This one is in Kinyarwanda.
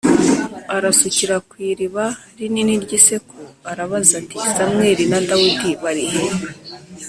arasukira ku iriba rinini ry’i Seku arabaza ati “Samweli na Dawidi bari he?”